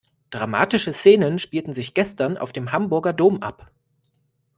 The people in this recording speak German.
Dramatische Szenen spielten sich gestern auf dem Hamburger Dom ab.